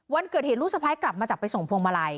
วันเกิดเหตุลูกสะพ้ายกลับมาจากไปส่งพวงมาลัย